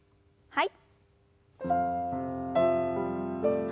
はい。